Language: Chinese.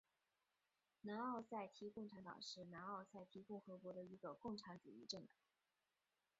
南奥塞梯共产党是南奥塞梯共和国的一个共产主义政党。